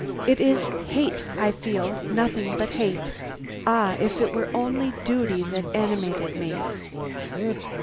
'It is hate I feel, nothing but hate. Ah, if it were only duty that animated me!'